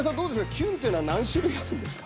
キュンというのは何種類あるんですか？